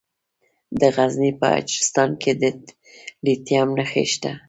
د غزني په اجرستان کې د لیتیم نښې شته.